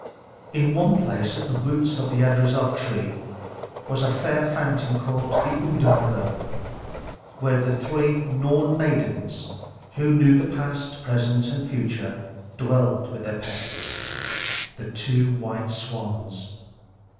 In one place at the roots of Yggdrasil was a fair fountain called the Urdar well, where the three Norn maidens, who knew the past, present, and future, dwelt with their pets, the two white swans.